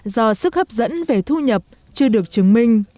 do sức hấp dẫn về thu nhập chưa được chứng minh